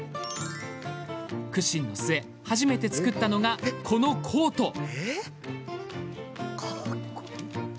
苦心の末、初めて作ったのがこのコート。